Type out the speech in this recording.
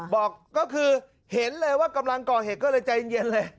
บอกก็คือเห็นเลยว่ากำลังก่อเหตุก็เลยใจเย็นเลย